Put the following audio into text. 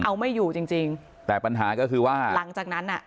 เอาไม่อยู่จริงจริงแต่ปัญหาก็คือว่าหลังจากนั้นอ่ะ